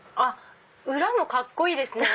裏もカッコいいですね。